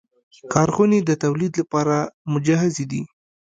کارخونې د تولید لپاره مجهزې دي.